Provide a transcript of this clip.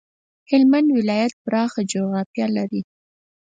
هلمند ولایت پراخه جغرافيه لري.